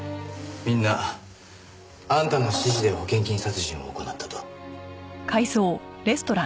みんなあんたの指示で保険金殺人を行ったと。